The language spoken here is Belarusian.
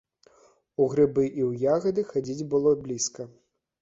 У грыбы і ў ягады хадзіць было блізка.